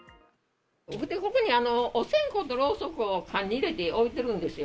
ここにお線香とろうそくを缶に入れて置いてるんですよ。